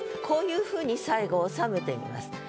こういう風に最後収めてみます。